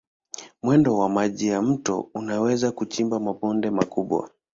Mwendo wa maji ya mito unaweza kuchimba mabonde makubwa.